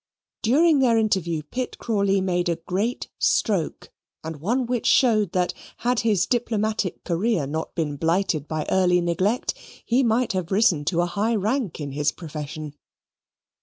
During their interview Pitt Crawley made a great stroke, and one which showed that, had his diplomatic career not been blighted by early neglect, he might have risen to a high rank in his profession.